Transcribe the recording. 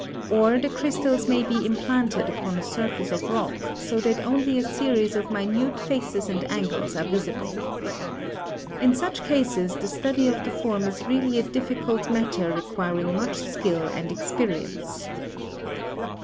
Or the crystals may be implanted upon a surface of rock so that only a series of minute faces and angles are visible. In such cases the study of the form is really a difficult matter requiring much skill and experience.